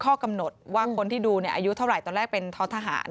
ข้อกำหนดว่าคนที่ดูอายุเท่าไหร่ตอนแรกเป็นท้อทหาร